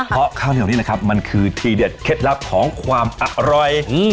เพราะข้าวเหนียวนี่นะครับมันคือทีเด็ดเคล็ดลับของความอร่อย